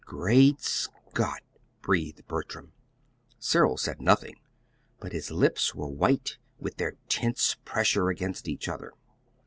"Great Scott!" breathed Bertram. Cyril said nothing, but his lips were white with their tense pressure against each other.